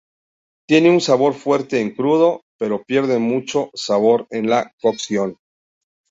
Tiene un sabor fuerte en crudo, pero pierde mucho sabor en la cocción.